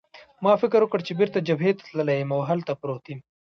ما فکر وکړ چې بېرته جبهې ته تللی یم او هلته پروت یم.